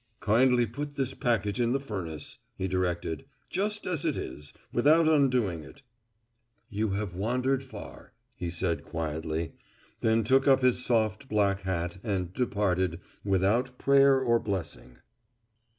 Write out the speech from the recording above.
"Kindly put this package in the furnace," he directed, "just as it is, without undoing it." "You have wandered far," he said quietly, then took up his soft black hat and departed without prayer or blessing.